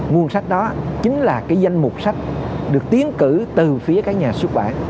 nguồn sách đó chính là cái danh mục sách được tiến cử từ phía các nhà xuất bản